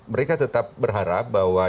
mereka tetap berharap bahwa